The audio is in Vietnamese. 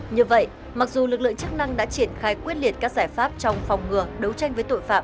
như vậy mặc dù lực lượng chức năng đã triển khai quyết liệt các giải pháp trong phòng ngừa đấu tranh với tội phạm